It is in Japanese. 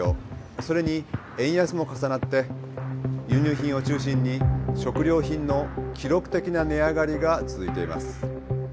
それに円安も重なって輸入品を中心に食料品の記録的な値上がりが続いています。